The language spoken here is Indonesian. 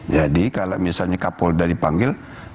jadi kalau misalnya kapolda dipanggil